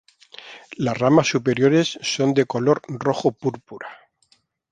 Las ramas superiores son de color rojo-púrpura.